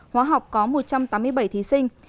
hóa học có một trăm tám mươi bảy thí sinh